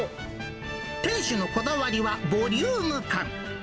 店主のこだわりはボリューム感。